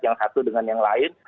yang satu dengan yang lain